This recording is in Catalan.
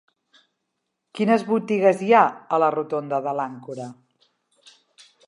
Quines botigues hi ha a la rotonda de l'Àncora?